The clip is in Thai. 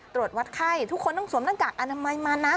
ตรวจวัดไข้ทุกคนต้องสวมหน้ากากอนามัยมานะ